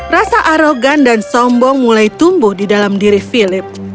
rasa arogan dan sombong mulai tumbuh di dalam diri philip